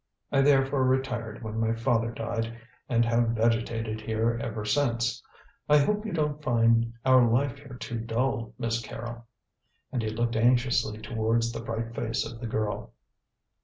I therefore retired when my father died and have vegetated here ever since. I hope you don't find our life here too dull, Miss Carrol," and he looked anxiously towards the bright face of the girl.